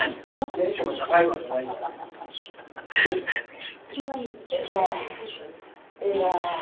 テンションが高いわけないじゃない。